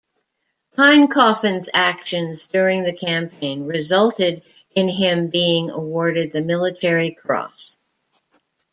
Pine-Coffin's actions during the campaign resulted in him being awarded the Military Cross.